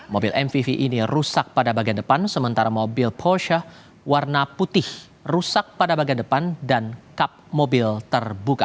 mobil mvv ini rusak pada bagian depan sementara mobil posyah warna putih rusak pada bagian depan dan kap mobil terbuka